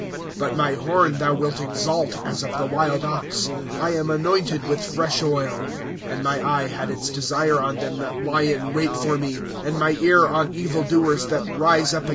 1" But my horn thou wilt exalt as of the wild ox ; I am anointed with fresh oil. '^ And my eye had its desire on them that lie in wait for me, And my ear on evil doers that rise up against me.